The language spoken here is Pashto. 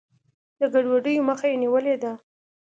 د ګډوډیو مخه یې نیولې ده.